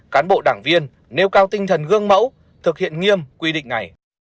cán bộ đảng viên nêu cao tinh thần gương mẫu thực hiện nghiêm quy định này